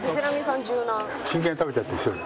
真剣に食べちゃってる１人で。